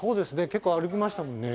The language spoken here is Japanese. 結構歩きましたもんね。